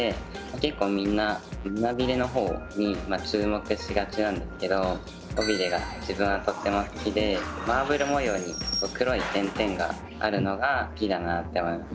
結構みんな胸ビレのほうに注目しがちなんですけど尾ビレが自分はとっても好きでマーブル模様に黒い点々があるのが好きだなあって思います。